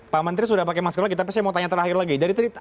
pak menteri sudah pakai masker lagi tapi saya mau tanya terakhir lagi